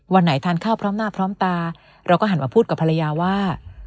วันไหนทานข้าวพร้อมหน้าพร้อมตาเราก็หันมาพูดกับภรรยาว่า